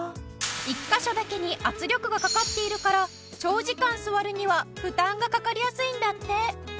１カ所だけに圧力がかかっているから長時間座るには負担がかかりやすいんだって。